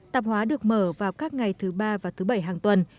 tạp hóa được mở vào các ngày thứ ba và thứ bảy hàng tuần